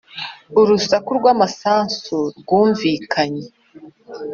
Urusaku rw amasasu rwumvikanye